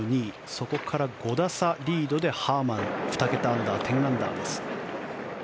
そこから５打差リードでハーマン２桁アンダー１０アンダーです。